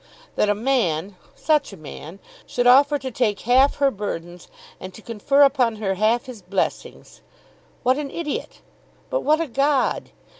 That a man, such a man, should offer to take half her burdens, and to confer upon her half his blessings! What an idiot! But what a God!